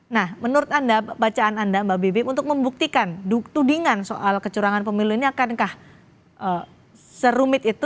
nah menurut anda bacaan anda mbak bibi untuk membuktikan tudingan soal kecurangan pemilu ini akankah serumit itu